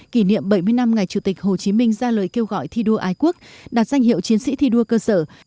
kỷ niệm bảy mươi năm ngày chủ tịch hồ chí minh ra lời kêu gọi thi đua ái quốc đạt danh hiệu chiến sĩ thi đua cơ sở